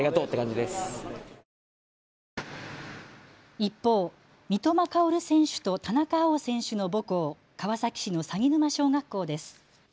一方、三笘薫選手と田中碧選手の母校、川崎市の鷺沼小学校です。